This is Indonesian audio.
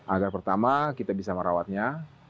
agar pertama kita bisa merawatnya